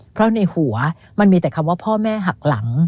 เพราะในหัวมันมีแต่คำว่าพ่อแม่หักหลัง